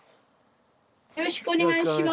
よろしくお願いします。